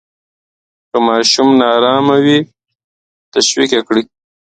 که ماشوم نا آرامه وي، تشویق یې کړئ.